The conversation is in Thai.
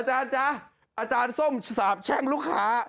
อาจารย์ส้มสาบแช่งลูกค้า